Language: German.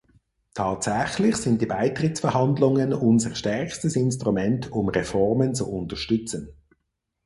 Tatsächlich sind die Beitrittsverhandlungen unser stärkstes Instrument, um Reformen zu unterstützen.